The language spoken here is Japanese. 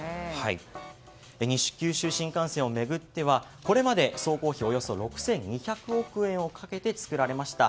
西九州新幹線を巡ってはこれまで総工費およそ６２００億円をかけて作られました。